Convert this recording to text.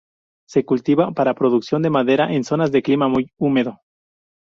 Se cultiva para producción de madera en zonas de clima muy húmedo.